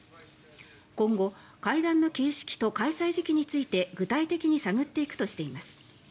今後、会談の形式と開催時期について具体的に探っていくとしています。